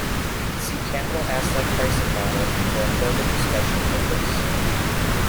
See Capital asset pricing model for a further discussion of this.